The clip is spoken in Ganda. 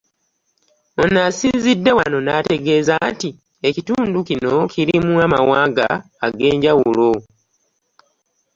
Ono asinzidde wano n'ategeeza nti ekitundu kino kirimu amawanga ag'enjawulo